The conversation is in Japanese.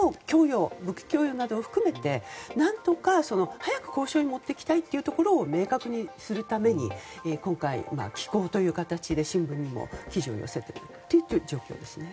武器供与などを含めて何とか早く交渉に持っていきたいというところを明確にするために今回、寄稿という形で新聞にも記事を寄せているという状況ですね。